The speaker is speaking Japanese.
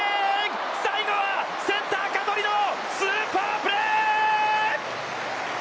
最後は、センター香取のスーパープレー！